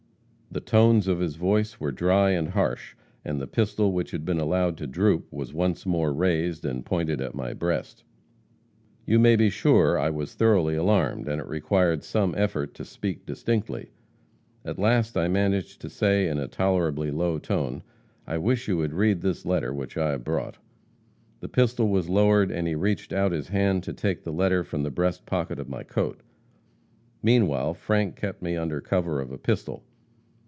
The tones of his voice were dry and harsh, and the pistol which had been allowed to droop was once more raised, and pointed at my breast. "You may be sure I was thoroughly alarmed, and it required some effort to speak distinctly. At last I managed to say in a tolerably low tone, 'I wish you would read this letter which I have brought.' The pistol was lowered and he reached out his hand to take the letter from the breast pocket of my coat. Meanwhile, Frank kept me under cover of a pistol.